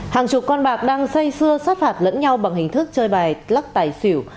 hàng chục con bạc đang xây xưa sát hạt lẫn nhau bằng hình thức chơi bài lắc tài xỉu